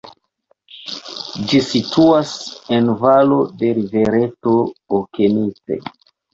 Ĝi situas en valo de rivereto Okenice.